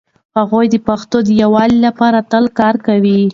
هغوی د پښتنو د يووالي لپاره تل کار کاوه.